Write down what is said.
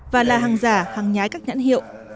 và là hàng giả hàng nhái các nhãn hiệu